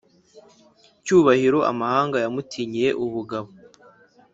cyubahiro amahanga yamutinyiye ubugabo